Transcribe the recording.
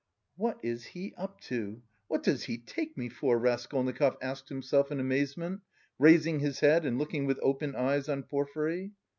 "What is he up to, what does he take me for?" Raskolnikov asked himself in amazement, raising his head and looking with open eyes on Porfiry.